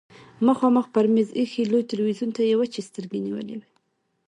مخامخ پر مېز ايښي لوی تلويزيون ته يې وچې سترګې نيولې وې.